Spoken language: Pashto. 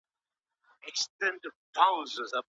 ولې د قتل په مقابل کي نجلۍ نه ورکول کيږي؟